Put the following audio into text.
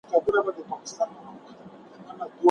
مشرانو به د سولي لپاره هڅي کولې.